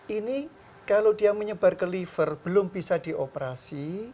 ini kalau dia menyebar ke liver belum bisa dioperasi